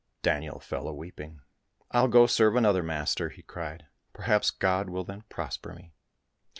Daniel fell a weeping. " I'll go serve another master," he cried, " perhaps God will then prosper me